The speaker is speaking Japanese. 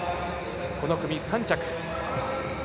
この組３着。